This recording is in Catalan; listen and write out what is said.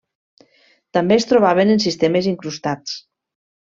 També es trobaven en sistemes incrustats.